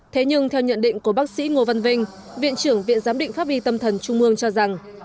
thế nhưng theo nhận định của bác sĩ ngô văn vinh viện trưởng viện giám định pháp y tâm thần trung mương cho rằng